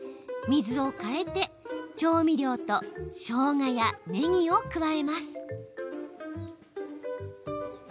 水を替えて調味料としょうがや、ねぎを加えます。